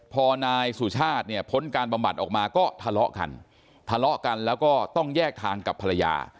พอนายสุชาติเนี่ยพ้นการบำบัดออกมาก็ทะเลาะกันทะเลาะกันแล้วก็ต้องแยกทางกับภรรยา